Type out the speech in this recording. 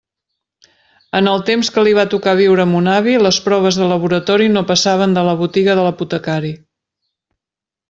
En el temps que li va tocar viure a mon avi, les proves de laboratori no passaven de la botiga de l'apotecari.